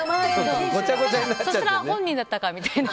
そうしたら本人だったかみたいな。